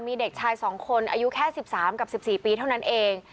มีเด็กชาย๒คนอายุแค่๑๓กับ๑๔ปีเท่านั้นเอง